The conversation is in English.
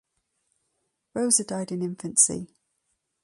Rosa died in infancy.